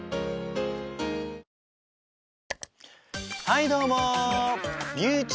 はいどうも。